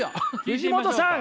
藤元さん